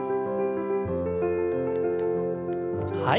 はい。